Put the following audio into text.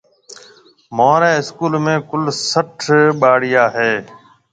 مهورِي اسڪول ۾ ڪُل سهٽ ٻاݪيا هيَ۔